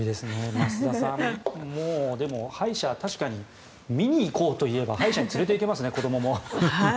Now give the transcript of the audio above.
増田さんでも、歯医者は確かに見に行こうといえば歯医者に連れていけますね子どもも。